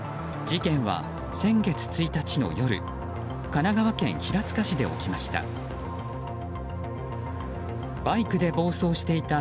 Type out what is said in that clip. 事件は先月１日の夜神奈川県平塚市で起きました。